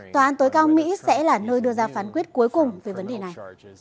tòa án tối cao mỹ sẽ là nơi đưa ra phán quyết cuối cùng về vấn đề này